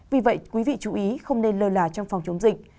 vì vậy quý vị chú ý không nên lơ là trong phòng chống dịch